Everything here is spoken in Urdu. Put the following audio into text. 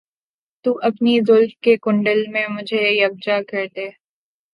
تو اپنی زلف کے کنڈل میں مجھے یکجا کر دے